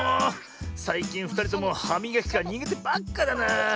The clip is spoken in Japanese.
さいきんふたりともはみがきからにげてばっかだなあ。